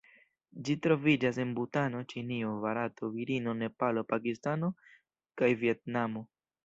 Ĝi troviĝas en Butano, Ĉinio, Barato, Birmo, Nepalo, Pakistano kaj Vjetnamo.